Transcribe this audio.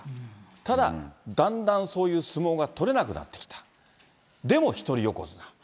ただ、だんだんそういう相撲が取れなくなってきた。